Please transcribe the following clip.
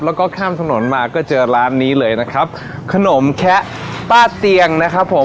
แล้วก็ข้ามถนนมาก็เจอร้านนี้เลยนะครับขนมแคะป้าเตียงนะครับผม